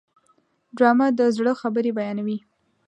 ډرامه د زړه خبرې بیانوي